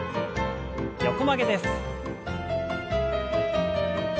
横曲げです。